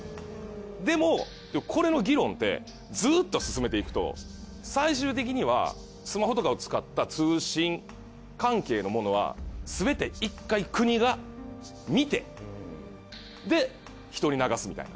でもこれの議論ってずっと進めていくと最終的にはスマホとかを使った通信関係のものはすべて１回国が見てで人に流すみたいな。